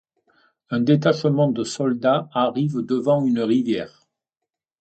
Un détachement de soldats arrive devant une rivière.